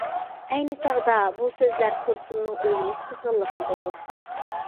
ئەينى چاغدا، بۇ سۆزلەر تۇرسۇننىڭ ئۆگىنىش قىزغىنلىقىنى ئۇرغۇتقان.